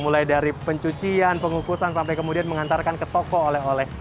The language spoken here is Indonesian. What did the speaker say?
mulai dari pencucian pengukusan sampai kemudian mengantarkan ke toko oleh oleh